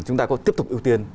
chúng ta có tiếp tục ưu tiên